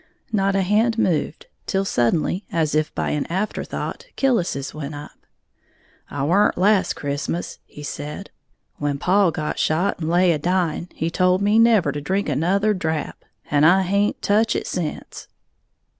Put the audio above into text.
Not a hand moved, till suddenly, as if by an afterthought, Killis's went up. "I weren't last Christmas," he said; "when paw got shot and lay a dying, he told me never to drink another drap, and I haint toch it sence."